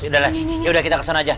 yaudah yaudah kita ke sana aja